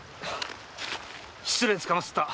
失礼つかまつった。